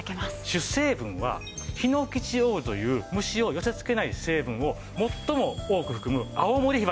主成分はヒノキチオールという虫を寄せ付けない成分を最も多く含む青森ヒバなんです。